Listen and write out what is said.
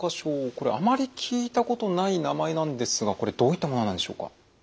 あまり聞いたことない名前なんですがこれどういったものなんでしょうか？